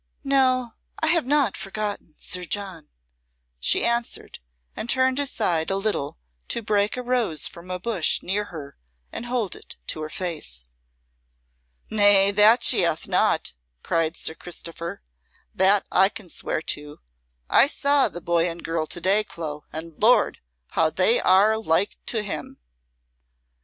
"No, I have not forgotten Sir John," she answered, and turned aside a little to break a rose from a bush near her and hold it to her face. "Nay, that she hath not," cried Sir Christopher, "that I can swear to. I saw the boy and girl to day, Clo, and, Lord! how they are like to him."